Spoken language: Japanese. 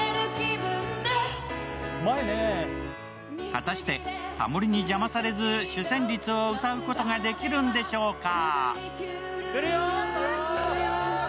果たしてハモりに邪魔されず、主旋律を歌うことができるのでしょうか。